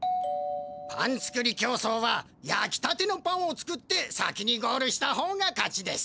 パンつくり競走はやきたてのパンを作って先にゴールしたほうが勝ちです。